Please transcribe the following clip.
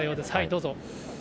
どうぞ。